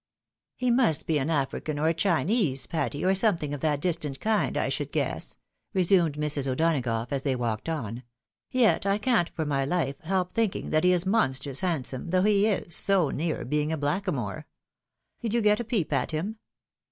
" He must be an African or a Chinese, Patty, or something of that distant kind I should guess," resumed Mrs. O'Donagough, as they walked on ;" y et I can 't, for my Uf e, help thinking that he is monstrous handsome, though he is so near being ablackamore. Did you get a peep at him